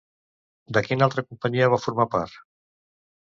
De quina altra companyia va formar part?